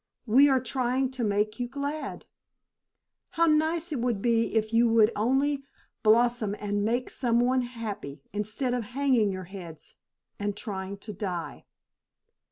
We are trying to make you glad. How nice it would be if you would only blossom and make some one happy instead of hanging your heads and trying to die.